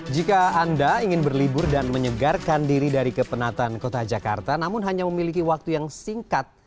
jika anda ingin berlibur dan menyegarkan diri dari kepenatan kota jakarta namun hanya memiliki waktu yang singkat